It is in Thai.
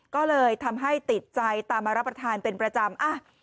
ก็เลยทำให้ติดใจตามมารับประทานเป็นประจำ